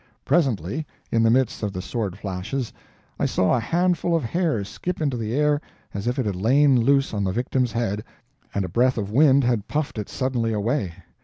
Presently, in the midst of the sword flashes, I saw a handful of hair skip into the air as if it had lain loose on the victim's head and a breath of wind had puffed it suddenly away.